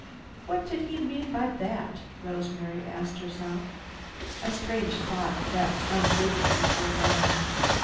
"What did he mean by that?" Rosemary asked herself. A strange thought leaped unbidden into her mind.